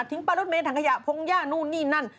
ปลารถเมนถังขยะพงหญ้านู่นนี่นั่น